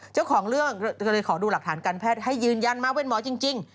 เจ้าของเรื่องก็เลยขอดูหลักฐานการแพทย์ให้ยืนยันมาเป็นหมอจริง